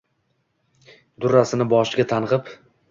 “Durrasini boshiga tang‘ib